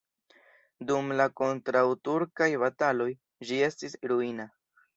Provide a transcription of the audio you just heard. Dum la kontraŭturkaj bataloj ĝi estis ruina.